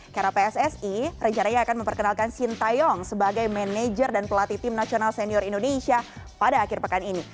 karena pssi rencananya akan memperkenalkan sintayong sebagai manajer dan pelatih tim nasional senior indonesia pada akhir pekan ini